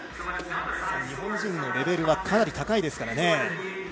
日本人のレベルはかなり高いですからね。